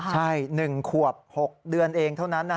ใช่๑ขวบ๖เดือนเองเท่านั้น